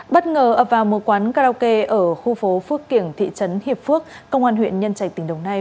bất ngờ ập vào một quán karaoke ở khu phố phước kiểng thị trấn hiệp phước công an huyện nhân trạch tỉnh đồng nai